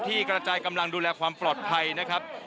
กระจายกำลังดูแลความปลอดภัยนะครับ